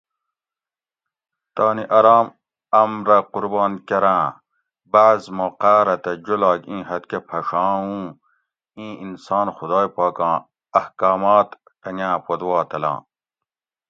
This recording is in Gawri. تانی ارام ام رہ قربان کراۤں بعض موقاۤ رہ تہ جولاگ اِیں حد کہ پھڛاں اُوں ایں انسان خدائ پاکاں احکامات ٹنگاۤں پوت وا تلاں